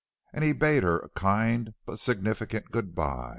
And he bade her a kind but significant good by.